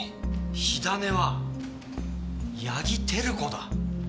火種は八木照子だ！